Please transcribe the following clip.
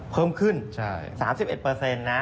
เพิ่มขึ้น๓๑นะ